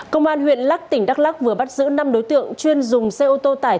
công an huyện lắc tỉnh đắk lắc vừa bắt giữ năm đối tượng chuyên dùng xe ô tô tải